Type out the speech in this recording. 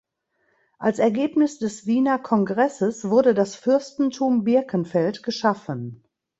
Als Ergebnis des Wiener Kongresses wurde das Fürstentum Birkenfeld geschaffen.